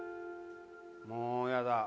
もうやだ